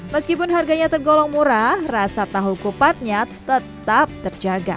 meskipun harganya tergolong murah rasa tahu kupatnya tetap terjaga